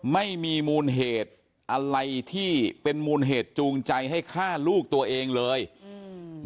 ไม่มีมูลเหตุอะไรที่เป็นมูลเหตุจูงใจให้ฆ่าลูกตัวเองเลยอืม